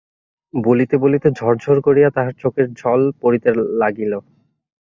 বলিতে বলিতে ঝর ঝর করিয়া তাহার চোখের জল পড়িতে লাগিল।